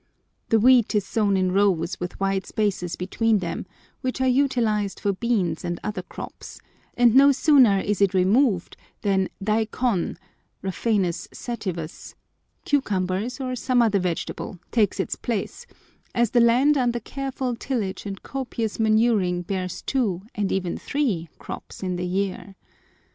The wheat is sown in rows with wide spaces between them, which are utilised for beans and other crops, and no sooner is it removed than daikon (Raphanus sativus), cucumbers, or some other vegetable, takes its place, as the land under careful tillage and copious manuring bears two, and even three, crops, in the year.